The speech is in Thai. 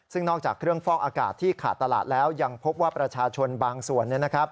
ซึ่งนอกจากเครื่องฟอกอากาศที่ขาดตลาดแล้วยังพบว่าประชาชนบางส่วน